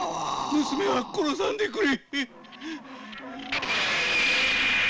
娘は殺さんでくれ！